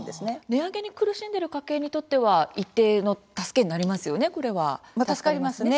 値上げに苦しんでいる家計にとっては一定の助けになりますよね、これは。助かりますね。